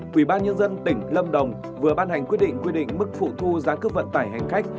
quỹ ban nhân dân tỉnh lâm đồng vừa ban hành quyết định quy định mức phụ thu giá cước vận tải hành khách